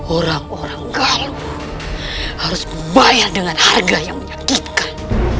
orang orang galau harus membayar dengan harga yang menyakitkan